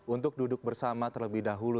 untuk duduk bersama terlebih dahulu